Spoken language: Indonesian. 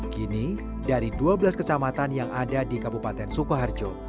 kini dari dua belas kecamatan yang ada di kabupaten sukoharjo